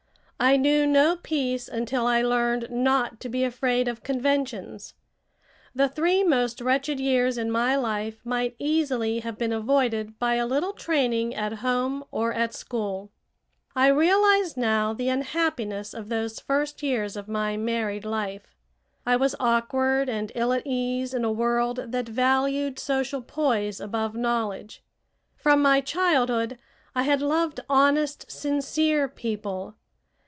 I knew no peace until I learned not to be afraid of conventions. The three most wretched years in my life might easily have been avoided by a little training at home or at school. I realize now the unhappiness of those first years of my married life. I was awkward and ill at ease in a world that valued social poise above knowledge. From my childhood I had loved honest, sincere people.